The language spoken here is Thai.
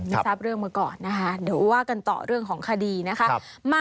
ทราบเรื่องมาก่อนนะคะเดี๋ยวว่ากันต่อเรื่องของคดีนะคะ